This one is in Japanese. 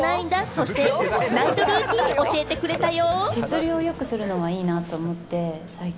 そしてナイトルーティンを教えてくれたよ。